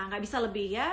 gak bisa lebih ya